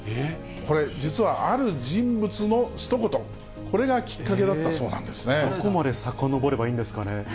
これ実はある人物のひと言、これがきっかけだったそうなんでどこまでさかのぼればいいんですかね。